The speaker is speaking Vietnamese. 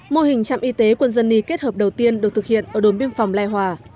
mô hình trạm y tế quân dân y kết hợp đầu tiên được thực hiện ở đồn biên phòng lai hòa